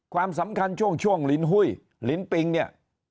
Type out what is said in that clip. ความสำคัญช่วงลินหุ้ยลินปิงเนี่ย